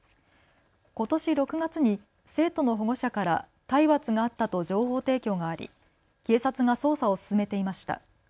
ことし６月に生徒の保護者から体罰があったと情報提供があり警察が捜査を進めていました。